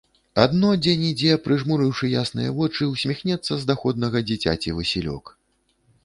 Адно дзе-нідзе, прымружыўшы ясныя вочы, усміхнецца з даходнага дзіцяці васілёк.